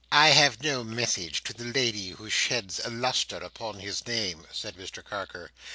"I have no message to the lady who sheds a lustre upon his name," said Mr Carker.